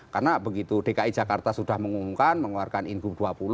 karena begitu dki jakarta sudah mengumumkan mengeluarkan ingu dua puluh